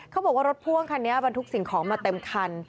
เขาบอกว่ารถพ่วงคันนี้บรรทุกสิ่งของมาเต็มคัน